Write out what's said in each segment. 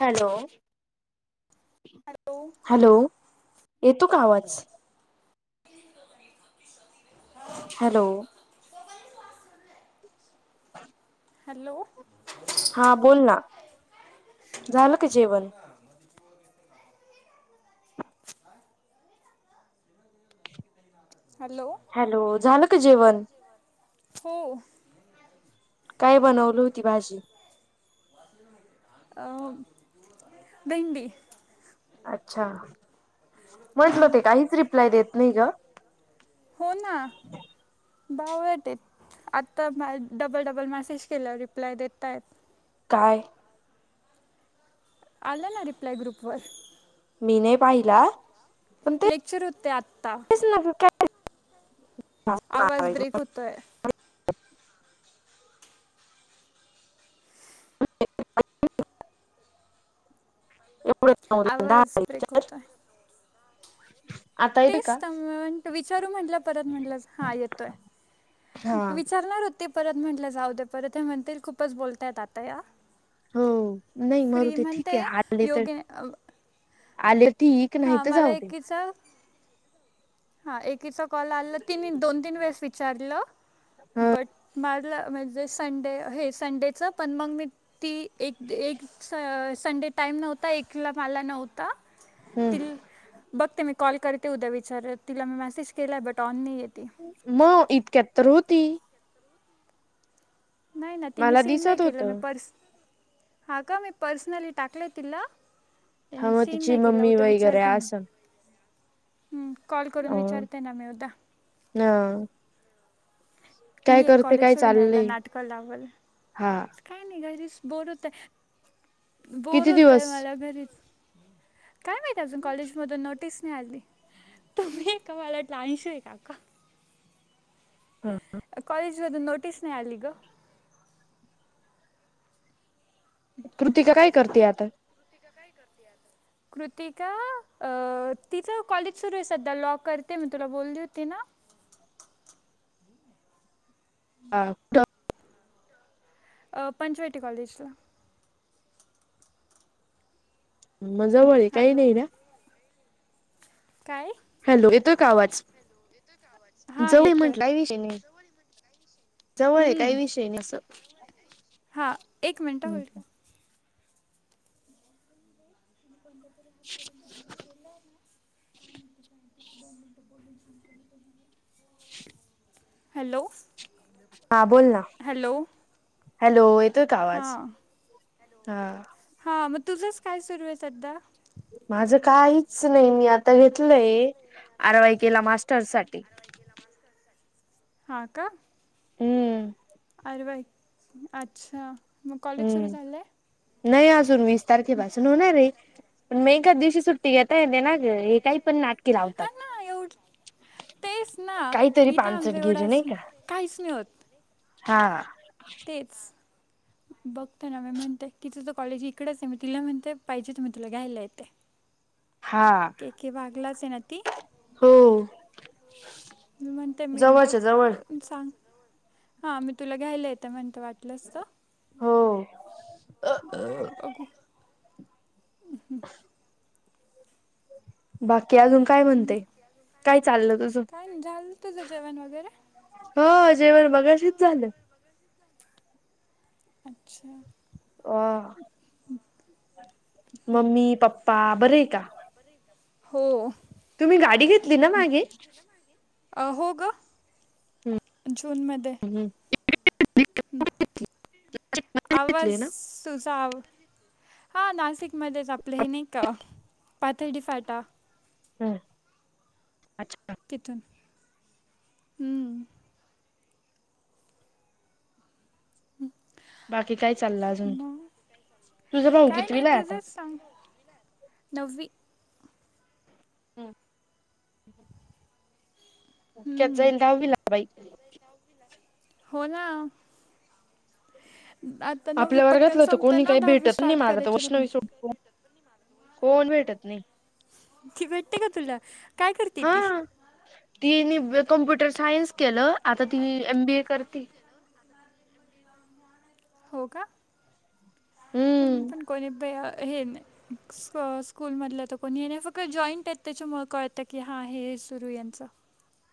Hello hello hello येतो का आवाज हॅलो हॅलो हा बोल ना झालं का जेवण. ह मपर हॅलो हॅलो झालं का जेवण हो काय बनवली होती भाजी अ भंडी अच्छा म्हटलं ते काहीच रिप्लाय देत नाही ग होना बावटेत आत्ता डबल डबल मेसेज केलं रिप्लाय देताय काय आलं ना रिप्लाय ग्रुपवर मी नाही पाहिला लेक्चर होते आत्ता स काय [unintelligible] आवाज ब्रेक होतोय एढ [unintelligible] आवाज ब्रेक होतोय पाल दचार तेच तर मण विचारू म्हटलं परत म्हटलं हा येतोय हा विचारणार होत ते परत म्हंटलं जाऊ दे्या परत हे म्हणतील खूपच बोलताय आता या हो नाही मरु फ्री ते ठीक म्हणते आहे आले तर योगे आले ठीक नाहीत जाऊ दे जा हा एकीचा कॉल आला तीन दोन तीन वेळेस विचारलं ह बट मला म्हणजे संडे हे संडेच पण मग मी ती एक एक स संडे टाइम नव्हता एकला मला नव्हता ति हम्म बघते मी कॉल करते उद्या विचारत तिला मी मेसेज केलाय बट ऑन नाही येते मग इतक्यात तर होती नाही ना तिने मला सीन नाही दिसत होत केलं मी पर्स हा का मी पर्सनली टाकले तिला हा त्याने मग सीन तिची नाही केला मम्मी उद्या वगैरे विचारते मी असं ह कॉल करून विचारते ना मी उदा हा काय ती एक करते कॉलेज काय सोडून यायला चालले नाटकं लावलं हा काय नाही घरीच बोर होत आहे बोर किती होत आहे दिवस मला घरीच काय माहित अजून कॉलेजमधून नोटीस नाही आली तुम्ही एका [unintelligible] आहे का का हा हा कॉलेज मधून नोटीस नाही आली ग कृतिका काय करते आता तिका काय करते [inaudible] कृतिका तिथं कॉलेज सुरू आहे सध्या लॉ करते मी तुला बोलली होती ना हाॉ [unintelligible] अ पंचवेटी कॉलेजला म जवळ हे काही हॅलो नाही ना काय हॅलो येतोय का आवाज हां जव येतो म्हट जवळ आहे काही विषय अस हां एक मिनटं होईल का ण [unintelligible] [unintelligible] हॅलो हां बोल ना हॅलो हॅलो येतो का आवाज हा हा मग तुझंच काय सुरू आहे सध्या माझं काहीच नाही मी आता घेतलंय आरवाई केला मास्टर साठी हा का? हम्म. अरवई अच्छा मग कॉलेज सुरू हम्म झालं आहे. नाही अजून वीस तारखेपासून होणार आहे. पण मी एका दिवशी सुट्टी घताय ते ना ग हे काही पण नाटकीे लावतात. हा ना एवढ तेच ना काहीतरी इथं आमचं पानसटगिरी एवढं अस नाही का काहीच नाही होत. हा. तेच बघत ना मी म्हणते की तुझं कॉलेज इकडच आहे मी तिला म्हणते पाहिजे तु मी तुला घ्यायला येते. हा. एके वागलाच आहे ना ती हो म्हणते मी बघ जवळच्या जवळ सांग हा मी तुला घ्यायला येतं म्हणत वाटलंसत. हो. बघू. बाकी अजून काय म्हणते काय चालल तुझ? काय नाही झालं तुझं जेवण वगैरे हो जेवण मघाशीच झालं. अच्छा. अ मम्मी पप्पा बरे आहे का? हो. तुम्ही गाडी घेतली ना मागे हो ग जूनमध्ये ह. आवाज घेतली ना सुझाव हा नाशिकमध्येच आपलं हे नाही का पाथडी फाटा हम् अच्छा. तिथून बाकी काय चाललं अजून मग तुझ भाऊ काय नाही पितवीला आता तुझंच सांग. नववी हम्म. त्यात हम्म. जाईल दहावीला बाईक हो ना. आता नववी आपल्या पटकन वर्गातलं तर कोणी संपताना काही दहावी भेटत नाही स्टार्ट मला तर करायच र. वैष्णवी सोड कोण भेटत नाही. ती भेटते का तुला काय करते ती तीनी कॉम्प्युटर सायन्स केलं आता ती एम बी ए करती. हो का हम्म पण कोणी प हे नाही. स्कूलमधलं तर कोणी आहे नाही फक्त जॉईंट आहेत त्याच्यामु कळत की हा हे सुरू यांचं.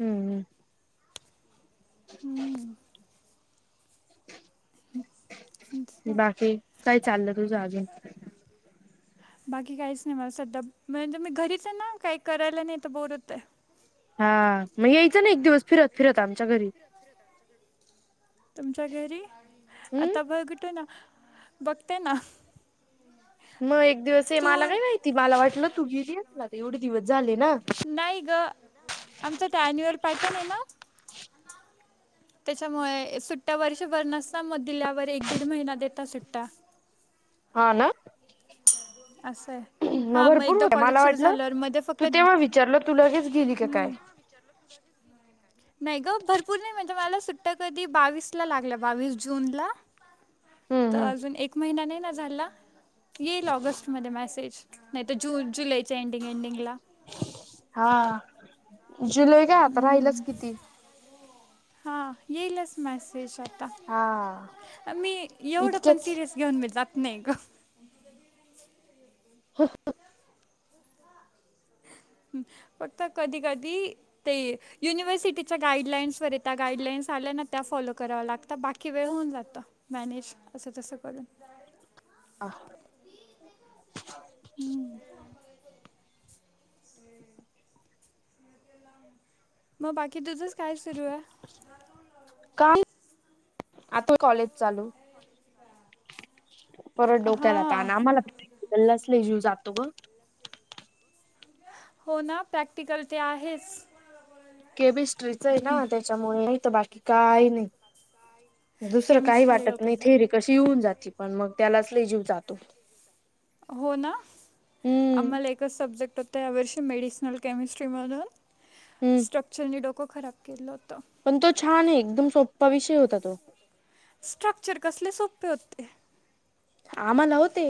हम्म हम्. हम्म. [unintelligible] ह. बाकी काही चाललं तुझ अजून बाकी काहीच नाही मला सध्या म्हणजे मी घरीच आहे ना काही करायला नाही तर बोर होत आहे. हा मग यायचं ना एक दिवस फिरत फिरत आमच्या घरी तुमच्या घरी हम् आता बघतो ना. बघतेना. मग एक दिवस ये मला काय माहिती मला वाटलं तू गेली असणार आता एवढे दिवस झाले ना. नाही ग आमचं ते अॅन्युअल पॅटर्न आहे ना. [unintelligible] त्याच्यामुळे सुट्ट्या वर्षभर नसता मग दिल्यावर एक दीड महिना देता सुट्ट्या. ह ना. असं आहे हा मग एकदा कॉलेज सुरू झालं मध्ये फक्त. चल तु ल हेच गेली का काय? नाही ग भरपूर नाही म्हणजे मला सुट्टा कधी बावीस ला लागल्या बावीस जून ला. हम्म तर हम्म अजून एक महिना नाही ना झाला. येईल ऑगस्टमध्येध्ये मॅसेज नाही तर जून जुलैच्या एंडिंग एंडिंगला. हा. जुलै का. हम्म हा येईलच मेसेज. हा मी एवढं पण इतकेच सिरियस घेऊन मी जात नाही ग. [inaudible] फक्त कधी कधी. ते युनिव्हर्सिटीच्या गाईडलाईन्स वर आहे गाईडलाईन्स आल्या ना त्या फॉलो कराव लागत बाकी. की वेळ होऊन जातं मॅनेज असं तसं करून. हां मग बाकी तुझंच काय सुरू आहे? [unintelligible] कॉलेज चालू परत डोक्याला हां ताण आम्हाला. गल्लासले लय जीव जातो ग. हो ना प्रॅक्टिकल ते आहेच. केमिस्ट्रीच आहे ना त्याच्यामुळे नाही तर बाकी काही नाही. दुसरं काही केमिस्ट्रीला वाटत डोक्यात नाही थेरीे जात कशी येऊन जाते पण मग त्यालाच लय जीव जातो. हो ना हम्म आम्हाला. सब्जेक्ट होते यावर्षी मेडिसिनल केमिस्ट्री म्हणून. हम्म नी डोकं खराब केलं होत. पण तो छान आहे एकदम सोप्पा विषय होता तो. स्ट्रक्चर कसले सोपे होते. आम्हाला होते.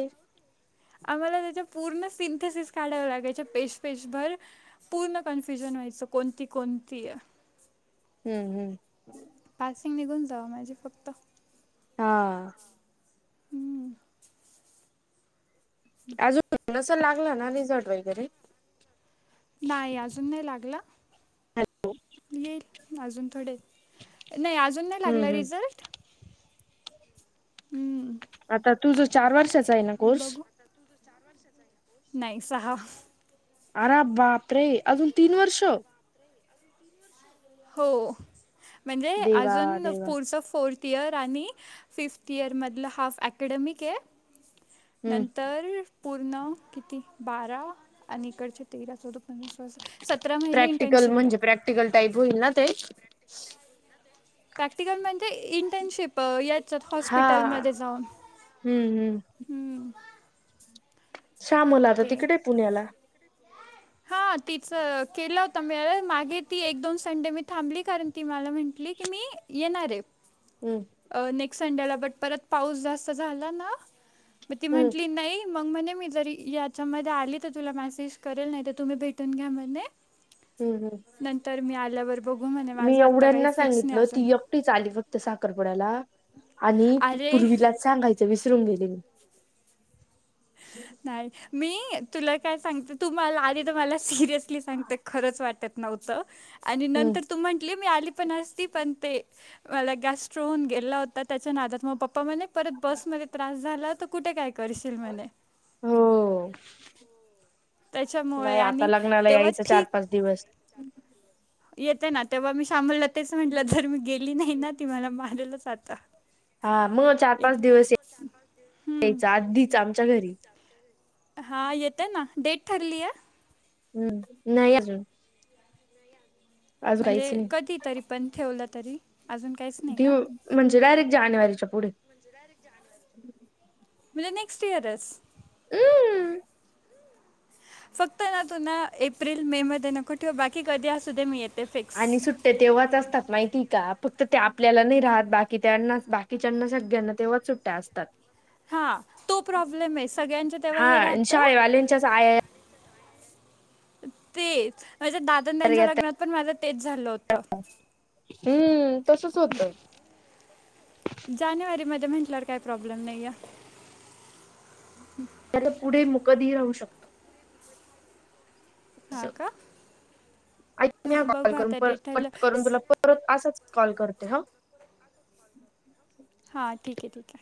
आम्हाला त्याच्या पूर्ण सिंथेसिस काढाव्या लागायच्या पेज पेज भर. पूर्ण कन्फ्युजन व्हायचं कोणती कोणती. हम्म हम्म. पासिंग निघून जावं माझे फक्त. हा हम्म. अजून लागलं ना रिझर्ट वगैरे? नाही अजून नाही लागला येईल अजून थोडे. नाही अजून नाही हम्म लागला हम्म रिझल्ट. हम्म, आता तुझं चार वर्षाचं. बघू नाही सहा. अरा बाप रे अजून तीन वर्ष. हो म्हणजे देवा अजून देवा फोर्स फोर. फिफ्थ इयर आणि फिफ्त इयर मधलं हाफ ॲकॅडमीक आहे हम्म नंतर. तर पूर्ण किती बारा आणि इकडचे तेरा चौदा पंचवीसस. सतरा महिने प्रॅक्टिकल इंटर्नशिप आहे. म्हणजे टाईप होईल ना ते. प्रॅक्टिकल म्हणजे इंटर्नशिप याचात हा हॉस्पिटलमध्ये जाऊन. हम्म हम्म. हम्म, शामल आता तिकडे आहे पुण्याला. हा तिच केलं होत म मागे ती एक दोन संडे मी थांबली कारण. ती मला म्हटली की, मी येणारे हम्म अ नेक संडेला. बट परत पाऊस जास्त झाला ना. म ती हम्म म्हटली नाही. मग म्हणे मी जर याद च्या मध्ये आली तर तुला मेसेज करेल. नाही त तुम्ही भेटून घ्या म्हणे. हम्म हम्म. नंतर मी आल्यावर बघू म्हणे. माझं आत्ता काही फिक्स नाही अजून. ऐकटीच आली फक्त साखरपुड्याला. आणि अरे पूर्वीलाच सांगायचं विसरून गेले मी. [unintelligible] नाही मी तुला काय सांगते. तू मला आधी त मला. सिरियसली सांगत खरंच वाटत नव्हतं. आणि हम्म नंतर तू म्हटले मी आली पण असती. पण ते. मला गॅस्ट्र होऊन गेला होता. त्याच्या नादात मग पप्पा म्हणे, परत बसमध्ये त्रास झाला, त कुठे काय करशील म्हणे. हो. त्याच्यामुळे नाही आता आणि लग्नाला तेव्हा यायच. चार ठीक पाच दिवस. येते ना. तेव्हा मी शामला तेच म्हटलं. जर मी गेली नाही ना, ती मला मारलच आता. हा म. चार पाच येत दिवस हम्म. यायच. आधीच आमच्या घरी. हा येते ना. डेट ठरलीये. हम्म. नाही अजून. अजून काहीच म्हणजे नाही कधी तरी पण ठेवलं तरी. अजून काहीच नाही दिव, का म्हणजे डायरेक्ट जानेवारीच्या पुढे. म्हणजे नॅक्स्ट इयरस. अम. फक्त ना. तु ना. एप्रिल मे मध्ये नको ठेंवू. बाकी कधी असू दे मी येत. आणि सुट सुट्ट्या तेव्हाच असतात. माहितीय का? फक्त ते आपल्याला नाही राहात. बाकी त्यांनाच बाकीच्यांना सगळ्यांना सगळ्यांना तेव्हाच सुट्ट्या असतात. हा. तो प्रॉब्लेमे. सगळ्यांच तेव्हा हे राहतं. लेंच्याच आ. [unintelligible] तेच. माझ्या दादान त्यांच्या येतात लग्नात पण, माझं तेच झालं होतं. हम्म, तसच होत. जानेवारीमध्ये म्हंटल्यावर काही प्रॉब्लेम नाहीये. त्याच्या पुढे म कधी राहू शकत. हां असं. का ऐक ना, हा कॉल बघू आता डेट ठरलं कट करून तुला परत परत असाच कॉल करते ह. हा. ठीके ठीके.